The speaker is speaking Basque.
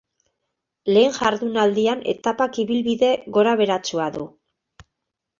Lehen jardunaldian etapak ibilbide gorabeheratsua du.